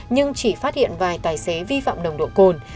nhưng chỉ phát hiện vài tài xế vi phạm nồng độ cồn